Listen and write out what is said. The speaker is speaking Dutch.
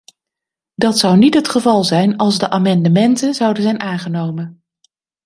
Dat zou niet het geval zijn als de amendementen zouden zijn aangenomen.